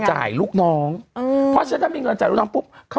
ตอนนี้ล่ะ